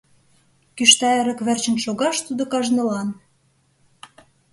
Кӱшта эрык верчын шогаш тудо кажнылан.